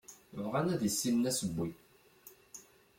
Bɣan ad issinen asewwi.